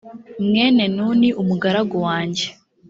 mwene nuni umugaragu wanjye